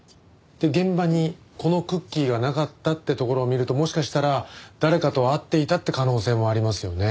現場にこのクッキーがなかったってところを見るともしかしたら誰かと会っていたって可能性もありますよね。